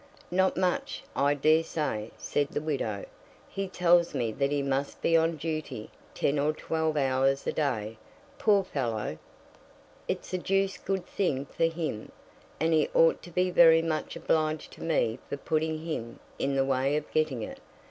"Not much, I dare say," said the widow. "He tells me that he must be on duty ten or twelve hours a day. Poor fellow!" "It's a deuced good thing for him, and he ought to be very much obliged to me for putting him in the way of getting it.